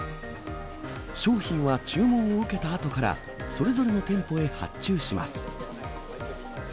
商品は注文を受けたあとから、それぞれの店舗へ発注します。